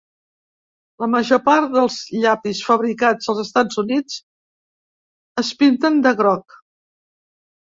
La major part dels llapis fabricats als Estats Units es pinten de groc.